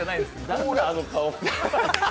何だあの顔。